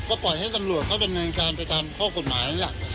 ก็ปล่อยให้ตำรวจเขาเกล็นเนินการไปตามข้อมูลหมาย